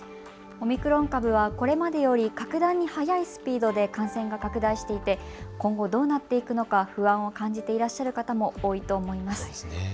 オミクロン株はこれまでより格段に速いスピードで感染が拡大していて今後、どうなっていくのか不安を感じていらっしゃる方も多いと思います。